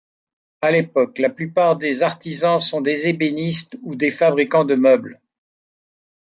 À l'époque, la plupart des artisans sont des ébénistes ou des fabricants de meubles.